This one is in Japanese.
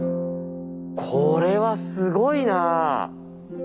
これはすごいなあ。